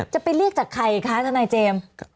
จะไปเรียกจากใครคะทนายเจมส์